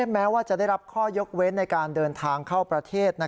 แม้ว่าจะได้รับข้อยกเว้นในการเดินทางเข้าประเทศ